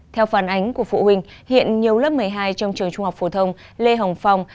theo phản ánh của phụ huynh hiện nhiều lớp một mươi hai trong trường trung học phổ thông lê hồng phong